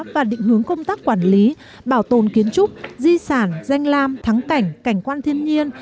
và định hướng công tác quản lý bảo tồn kiến trúc di sản danh lam thắng cảnh cảnh quan thiên nhiên